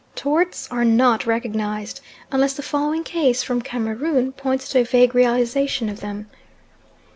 Torts are not recognised; unless the following case from Cameroon points to a vague realisation of them.